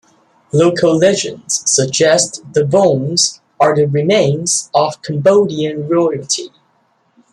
Local legends suggest the bones are the remains of Cambodian royalty.